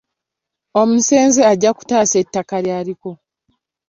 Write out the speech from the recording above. Omusenze ajja kutaasa ettaka lyaliko